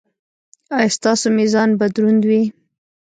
ایا ستاسو میزان به دروند وي؟